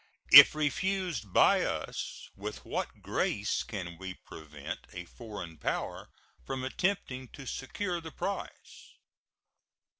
If refused by us, with what grace can we prevent a foreign power from attempting to secure the prize?